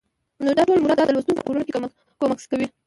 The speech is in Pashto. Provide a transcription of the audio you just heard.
نو دا ټول موارد د لوستونکى په راپارونه کې کمک کوي